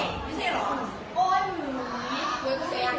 จะเถียงให้พ่ออ่ะ